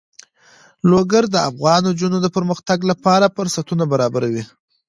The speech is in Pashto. لوگر د افغان نجونو د پرمختګ لپاره فرصتونه برابروي.